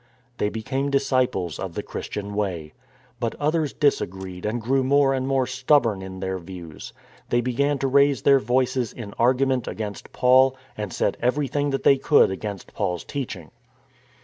They became disciples of the Christian Way. But others disagreed and grew more and more stubborn in their views. They began to raise their voices in argument against Paul and said everything that they could against Paul's teaching.